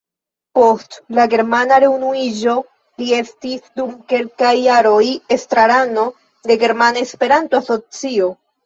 Post la germana reunuiĝo li estis dum kelkaj jaroj estrarano de Germana Esperanto-Asocio.